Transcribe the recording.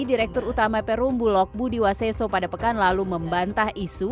direktur utama perum bulog budi waseso pada pekan lalu membantah isu